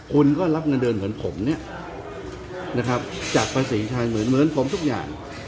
คุณก็รับเงินเดือนเหมือนผมเนี่ยนะครับจากภาษีไทยเหมือนเหมือนผมทุกอย่าง